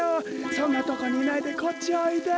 そんなとこにいないでこっちおいで。